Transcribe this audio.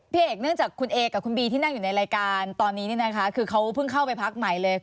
เอกเนื่องจากคุณเอกับคุณบีที่นั่งอยู่ในรายการตอนนี้เนี่ยนะคะคือเขาเพิ่งเข้าไปพักใหม่เลย